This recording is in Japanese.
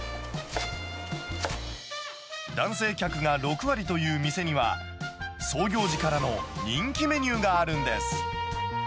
男性客が６割という店には、創業時からの人気メニューがあるんです。